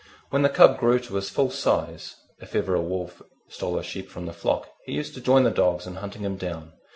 When the Cub grew to his full size, if ever a wolf stole a sheep from the flock, he used to join the dogs in hunting him down.